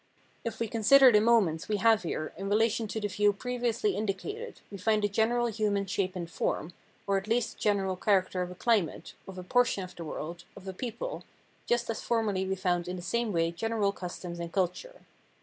If we consider the moments we have here in relation to the view previously indicated, we find a general human shape and form, or at least the general character of a chmate, of a portion of the world, of a people, just as formerly we found in the same way general customs and culture.